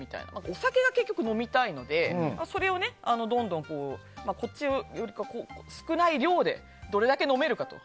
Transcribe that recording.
お酒を結局飲みたいのでそれをどんどんこっちよりかは少ない量でどれだけ飲めるかと。